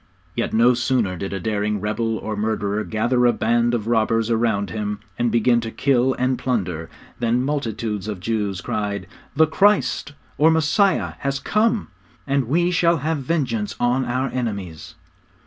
Yet no sooner did a daring rebel or murderer gather a band of robbers around him, and begin to kill and plunder, than multitudes of Jews cried, 'The Christ, or Messiah has come; now we shall have vengeance on our enemies!'